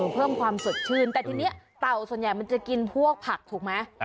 เพิ่มความสดชื่นแต่ทีนี้เต่าส่วนใหญ่มันจะกินพวกผักถูกไหม